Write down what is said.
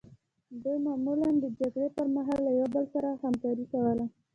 دوی معمولا د جګړې پرمهال له یو بل سره همکاري کوله